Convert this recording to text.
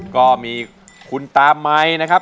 ก็มีคุณตามัยนะครับ